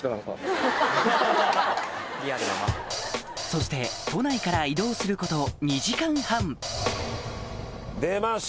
そして都内から移動することお！